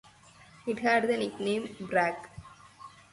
It had the nickname "Brack".